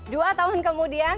dua tahun kemudian